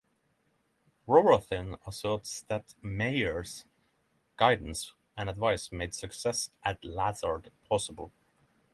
Rohatyn asserts that Meyer's guidance and advice made success at Lazard possible.